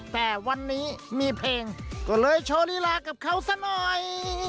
แต่วันนี้มีเพลงก็เลยโชว์ลีลากับเขาซะหน่อย